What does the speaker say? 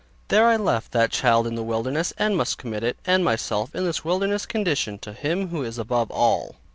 There I left that child in the wilderness, and must commit it, and myself also in this wilderness condition, to Him who is above all.